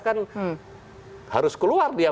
kan harus keluar dia